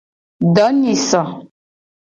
Donyiso.